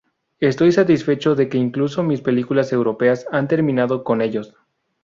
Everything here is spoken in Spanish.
Estoy satisfecho de que incluso mis películas europeas han terminado con ellos.